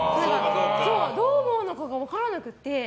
どう思うのかが分からなくて。